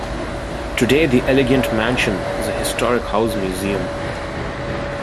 Today the elegant mansion is a historic house museum.